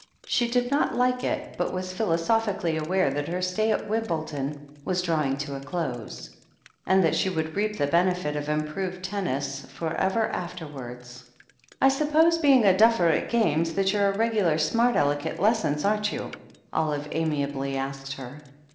She did not like it, but was philosophically aware that her stay at Wimbledon was drawing to a close, and that she would reap the benefit of improved tennis for ever afterwards. "I suppose, being a duffer at games, that you're a regular Smart Aleck at lessons, aren't you?" Olive amiably asked her.